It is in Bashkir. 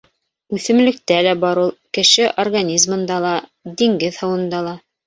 Үҫемлектә лә бар ул, кеше организмында ла, диңгеҙ һыуында ла.